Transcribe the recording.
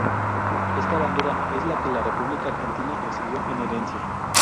Esta bandera es la que la República Argentina recibió en herencia.